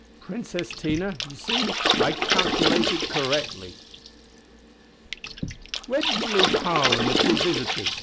Princess Tina. You see, I calculated correctly." "Where did you leave Harl and the two visitors?"